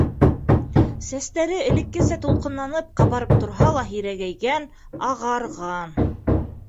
Сәстәре элеккесә тулҡынланып-ҡабарып торһа ла һирәгәйгән, ағарған.